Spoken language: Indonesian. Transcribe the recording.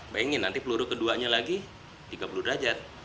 bayangin nanti peluru keduanya lagi tiga puluh derajat